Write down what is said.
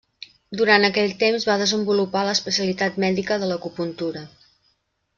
Durant aquell temps va desenvolupar l'especialitat mèdica de l'acupuntura.